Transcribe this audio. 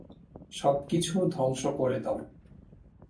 সবকিছু ধ্বংস করে দাও।